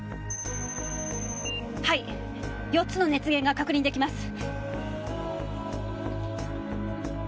はい４つの熱源が確認できます。